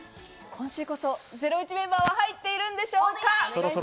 今週こそゼロイチメンバーは入っているんでしょうか？